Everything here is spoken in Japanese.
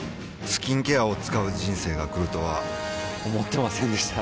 スキンケアを使う人生が来るとは思ってませんでした